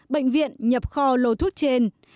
bệnh viện nhập kho lô thuốc trên